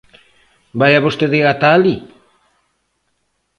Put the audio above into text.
Vaia vostede ata alí.